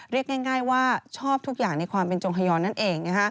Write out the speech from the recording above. เรียกง่ายว่าชอบทุกอย่างในความเป็นจงฮยอนนั่นเอง